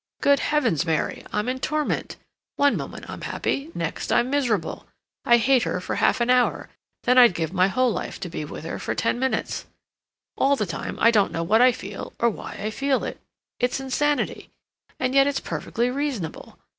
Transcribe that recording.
Good Heavens, Mary! I'm in torment! One moment I'm happy; next I'm miserable. I hate her for half an hour; then I'd give my whole life to be with her for ten minutes; all the time I don't know what I feel, or why I feel it; it's insanity, and yet it's perfectly reasonable.